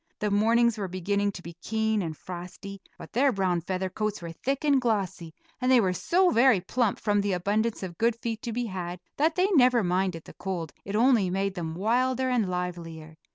The mornings were beginning to be keen and frosty, but their brown feather coats were thick and glossy, and they were so very plump from the abundance of good feed to be had, that they never minded the cold; it only made them wilder and livelier.